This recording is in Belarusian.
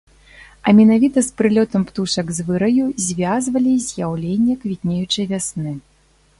А менавіта з прылётам птушак з выраю звязвалі з'яўленне квітнеючай вясны.